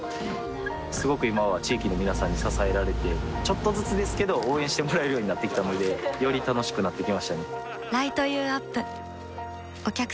すごく今は地域の皆さんに支えられてちょっとずつですけど応援してもらえるようになってきたのでより楽しくなってきましたね